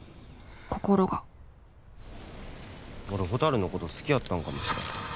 心が俺ほたるのこと好きやったのかもしれへん。